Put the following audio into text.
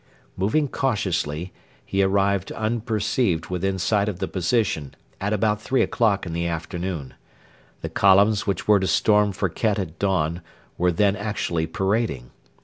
Moving cautiously, he arrived unperceived within sight of the position at about three o'clock in the afternoon. The columns which were to storm Firket at dawn were then actually parading.